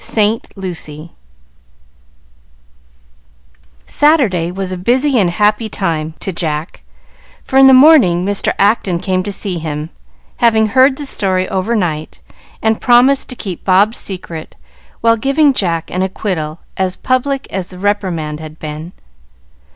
Saint Lucy Saturday was a busy and a happy time to Jack, for in the morning Mr. Acton came to see him, having heard the story overnight, and promised to keep Bob's secret while giving Jack an acquittal as public as the reprimand had been.